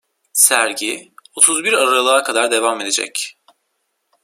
Sergi otuz bir Aralık'a kadar devam edecek.